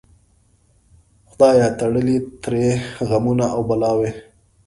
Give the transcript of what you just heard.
خدای تړلي ترې غمونه او بلاوي